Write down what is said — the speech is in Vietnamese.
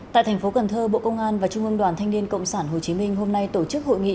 tại tp cn bộ công an và trung ương đoàn thanh niên cộng sản hồ chí minh hôm nay tổ chức hội nghị